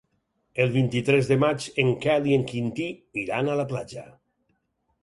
El vint-i-tres de maig en Quel i en Quintí iran a la platja.